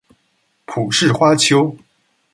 蒲氏花楸